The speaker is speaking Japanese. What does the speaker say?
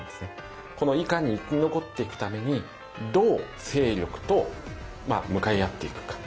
このいかに生き残っていくためにどう勢力と向かい合っていくか。